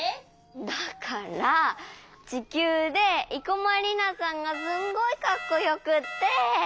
だからちきゅうで生駒里奈さんがすんごいかっこよくって。